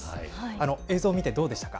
映像見てどうでしたか？